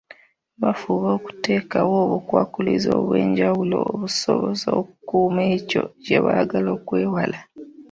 Bafuba okuteekawo obukwakkulizo obw’enjawulo obusobola okukuuma ekyo kye baagala okwewala.